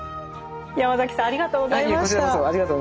ヤマザキさんありがとうございました。